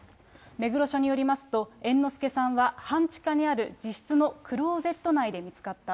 目黒署によりますと、猿之助さんは半地下にある自室のクローゼット内で見つかった。